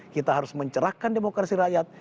kita harus mencerahkan demokrasi rakyat